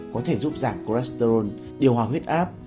có thể giúp giảm cholesterol điều hòa huyết áp